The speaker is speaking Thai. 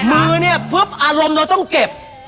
มือนี่อารมณ์เราต้องเข็บ